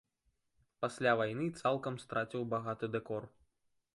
Пасля вайны цалкам страціў багаты дэкор.